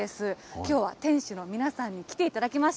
きょうは店主の皆さんに来ていただきました。